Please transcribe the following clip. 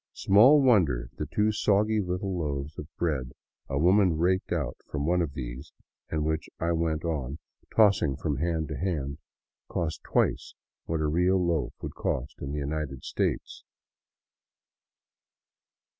Small wonder the two soggy little loaves of bread a woman raked out of one of these, and which I went on tossing from hand to hand, cost twice what a real loaf would in the United States.